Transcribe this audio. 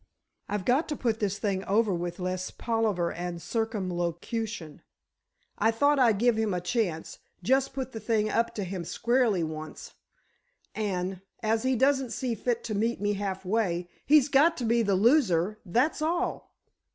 I've got to put this thing over with less palaver and circumlocution. I thought I'd give him a chance—just put the thing up to him squarely once—and, as he doesn't see fit to meet me half way, he's got to be the loser, that's all."